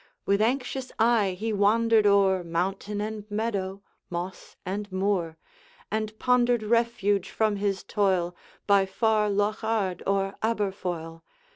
With anxious eye he wandered o'er Mountain and meadow, moss and moor, And pondered refuge from his toil, By far Lochard or Aberfoyle.